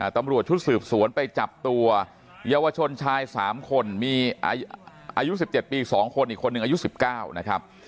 ตำรวจชุดสืบสวนไปจับตัวเยาวชนชาย๓คนมีอายุ๑๗ปี๒คนอีกคนหนึ่งอายุ๑๙นะครับ